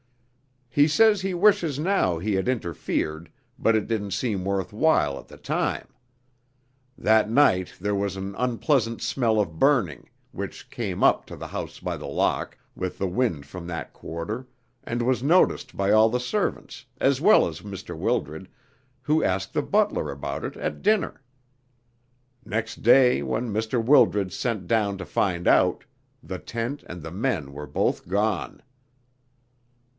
"He says he wishes now he had interfered, but it didn't seem worth while at the time. That night there was an unpleasant smell of burning, which came up to the House by the Lock, with the wind from that quarter, and was noticed by all the servants, as well as Mr. Wildred, who asked the butler about it at dinner. Next day, when Mr. Wildred sent down to find out, the tent and the men were both gone."